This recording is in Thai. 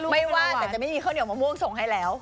ไม่ว่าแต่จะไม่มีข้าวเหนียวมะม่วงส่งให้แล้ว